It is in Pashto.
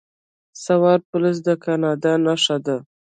سوار پولیس د کاناډا نښه ده.